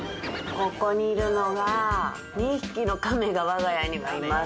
ここにいるのは２匹のカメが、わが家にはいます。